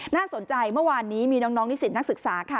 น่าสนใจเมื่อวานนี้มีน้องนิสิตนักศึกษาค่ะ